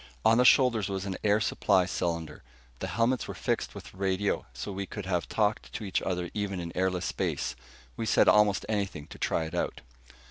On the shoulders was an air supply cylinder. The helmets were fixed with radio, so we could have talked to each other even in airless space. We said almost anything to try it out.